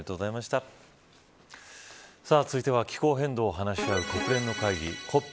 続いては気候変動を話し合う国連の会議